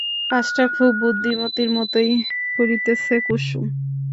কাজটা খুব বুদ্ধিমতীর মতোই করিতেছে কুসুম।